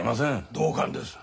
同感です。